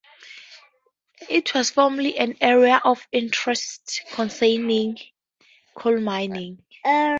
It was formerly an area of interest concerning coal mining.